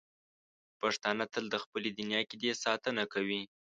پښتانه تل د خپلې دیني عقیدې ساتنه کوي.